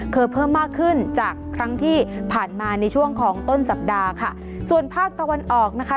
เพิ่มมากขึ้นจากครั้งที่ผ่านมาในช่วงของต้นสัปดาห์ค่ะส่วนภาคตะวันออกนะคะ